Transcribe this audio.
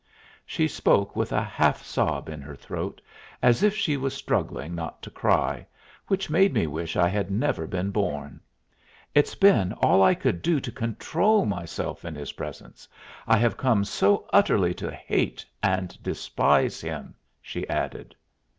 She spoke with a half sob in her throat, as if she was struggling not to cry, which made me wish I had never been born. "It's been all I could do to control myself in his presence, I have come so utterly to hate and despise him," she added.